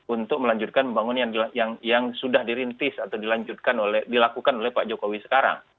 untuk melanjutkan pembangunan yang sudah dirintis atau dilakukan oleh pak jokowi sekarang